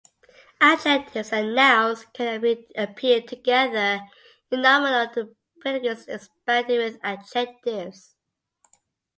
Adjectives and nouns can appear together in nominal predicates expanded with adjectives.